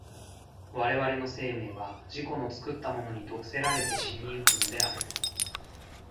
我々の生命は自己の作ったものに毒せられて死に行くのである。